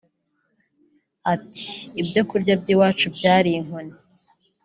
Ati “Ibyo kurya by’iwacu byari inkoni